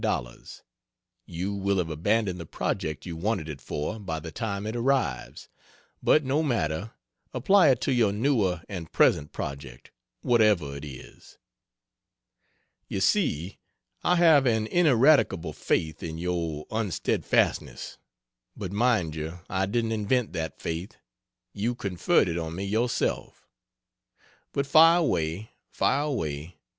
You will have abandoned the project you wanted it for, by the time it arrives, but no matter, apply it to your newer and present project, whatever it is. You see I have an ineradicable faith in your unsteadfastness, but mind you, I didn't invent that faith, you conferred it on me yourself. But fire away, fire away!